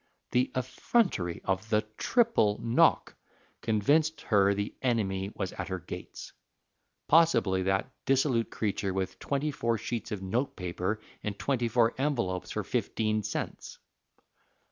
The effrontery of the triple knock convinced her the enemy was at her gates possibly that dissolute creature with twenty four sheets of note paper and twenty four envelopes for fifteen cents.